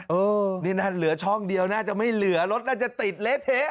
เออนี่นั่นเหลือช่องเดียวน่าจะไม่เหลือรถน่าจะติดเละเทะ